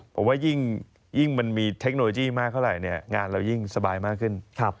ผมว่ายิ่งมันมีเทคโนโลยีมากเท่าไหร่เนี่ยงานเรายิ่งสบายมากขึ้น